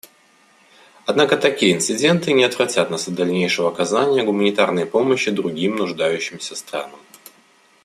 Однако такие инциденты не отвратят нас от дальнейшего оказания гуманитарной помощи другим нуждающимся странам.